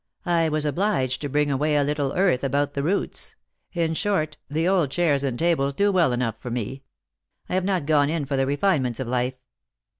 I was obliged to bring away a little earth about the roots. In short, the old chairs and tables do well enough for me. I have not gone in for the refinements of life."